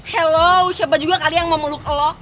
hello siapa juga kali yang mau meluk lo